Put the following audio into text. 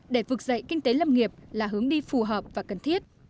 để vực dậy kinh tế lâm nghiệp là hướng đi phù hợp và cần thiết